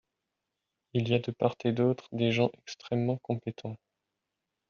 Il y a, de part et d’autre, des gens extrêmement compétents.